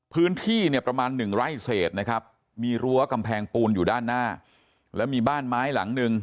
พื้นที่ประมาณ๑๐๐เศษมีรั้วกำแพงปูนอยู่ด้านหน้าและมีบ้านไม้หลังหนึ่ง